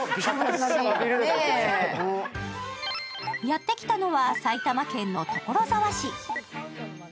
やってきたのは、埼玉県の所沢市。